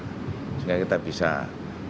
tentunya kita mendapatkan informasi yang lebih banyak